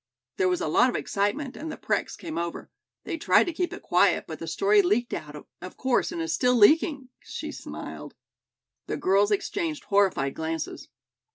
There was a lot of excitement, and the Prex came over. They tried to keep it quiet, but the story leaked out, of course, and is still leaking " she smiled. The girls exchanged horrified glances.